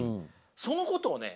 そのことをね